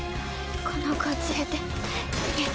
この子を連れて逃げて。